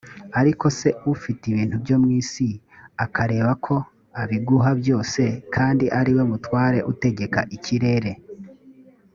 ariko se ufite ibintu byo mu isi akareba ko abiguha byose kandi ariwe mutware utegeka ikirere